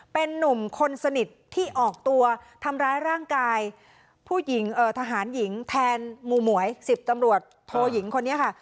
เป็นนุ่มคนสนิทที่ออกตัวทำร้ายร่างกายผู้หญิงทหารหญิงแทนหมู่หมวย๑๐ตำรวจโทยิงคนนี้ค่ะ